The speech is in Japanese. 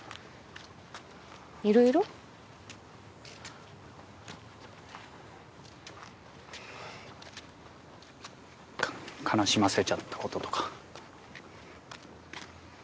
いろいろ？か悲しませちゃったこととか。